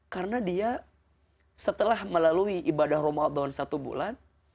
karena dia setelah melalui ibadah ramadan satu bulan